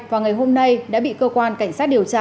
và ngày hôm nay đã bị cơ quan cảnh sát điều tra